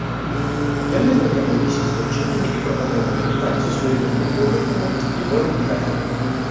Яны знаёміліся з дзяўчатамі і прапаноўвалі ім працу з вялікімі прыбыткамі і вольным графікам.